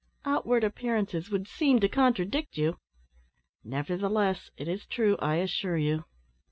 "Outward appearances would seem to contradict you." "Nevertheless, it is true, I assure you.